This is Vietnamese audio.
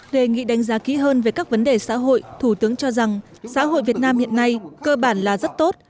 đề nghị đánh giá kỹ hơn về các vấn đề xã hội thủ tướng cho rằng xã hội việt nam hiện nay cơ bản là rất tốt